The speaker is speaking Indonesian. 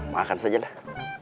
makan saja dah